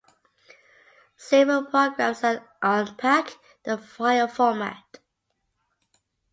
Several programs can unpack the file format.